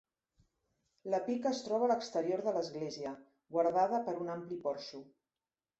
La pica es troba a l'exterior de l'església, guardada per un ampli porxo.